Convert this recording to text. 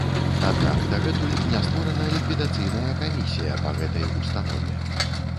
Аднак дагэтуль не створана ліквідацыйная камісія па гэтай установе.